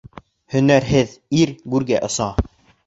Һөнәрһеҙ ир гүргә оса.